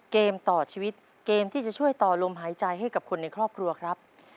เกมต่อชีวิตเกมที่จะช่วยต่อลมหายใจให้กับคนในครอบครัวครับ